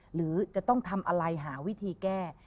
หรือจะต้องทำอะไรหาวิธีแก้